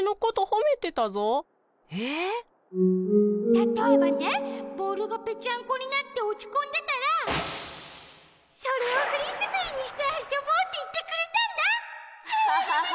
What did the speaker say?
たとえばねボールがぺちゃんこになっておちこんでたらそれをフリスビーにしてあそぼうっていってくれたんだ。